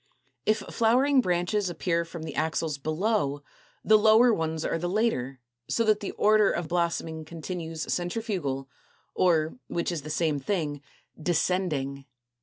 If flowering branches appear from the axils below, the lower ones are the later, so that the order of blossoming continues centrifugal or, which is the same thing, descending, as in Fig.